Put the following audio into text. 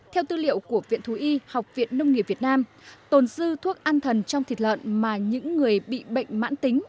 theo tư liệu của viện thú y học viện nông nghiệp việt nam tồn dư thuốc an thần trong thịt lợn mà những người bị bệnh mãn tính